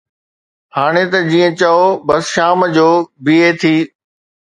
هاڻي ته جيئن چئو، بس شام جو بيهي ٿي